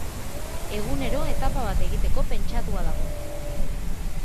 Egunero etapa bat egiteko pentsatua dago.